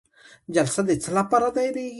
جلسه د څه لپاره دایریږي؟